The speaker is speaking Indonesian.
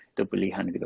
itu pilihan gitu